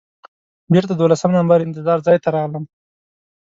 بېرته دولسم نمبر انتظار ځای ته راغلم.